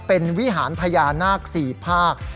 เป็นวิหารพญานาค๔ภาค